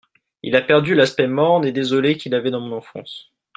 Il a perdu l'aspect morne et désolé qu'il avait dans mon enfance.